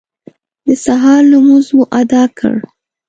د سهار لمونځ مو اداء کړ.